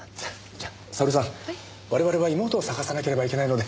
じゃあ沙織さん我々は妹を探さなければいけないので。